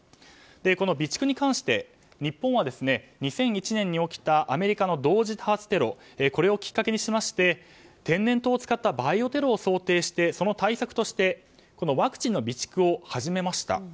この備蓄に関して、日本は２００１年に起きたアメリカの同時多発テロをきっかけにしまして天然痘を使ったバイオテロを想定してその対策としてワクチンの備蓄を始めました。